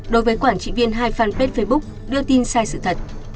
đối với quản trị viên hai fanpage facebook đưa tin sai sự thật